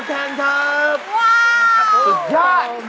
ว้าวสุดยอดโอ้โห